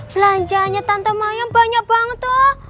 belanjanya tante mayang banyak banget tuh